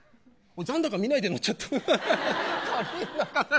残高見ないで乗っちゃった。